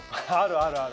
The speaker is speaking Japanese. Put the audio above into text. あるある。